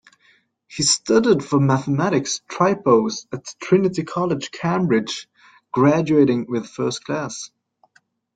He studied for the Mathematics tripos at Trinity College, Cambridge, graduating with first class.